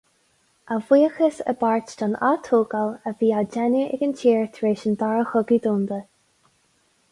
A bhuíochas i bpáirt don atógáil a bhí á déanamh ar an tír tar éis an Dara Chogadh Domhanda.